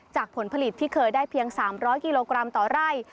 ผลผลิตที่เคยได้เพียง๓๐๐กิโลกรัมต่อไร่